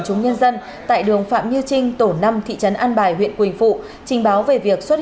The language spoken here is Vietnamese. chúng nhân dân tại đường phạm như trinh tổ năm thị trấn an bài huyện quỳnh phụ trình báo về việc xuất